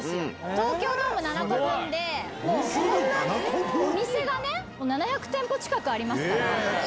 東京ドーム７個分で、もうお店がね、７００店舗近くありますから。